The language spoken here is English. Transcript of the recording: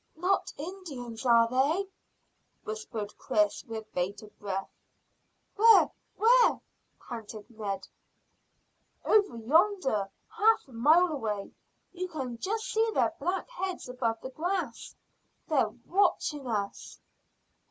"Not Indians, are they?" whispered Chris with bated breath. "Where? where?" panted Ned. "Over yonder half a mile away. You can just see their black heads above the grass. They're watching us."